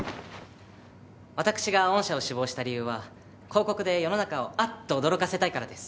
私が御社を志望した理由は広告で世の中をあっと驚かせたいからです。